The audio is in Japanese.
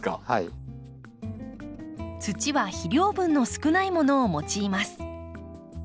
土は肥料分の少ないものを用います。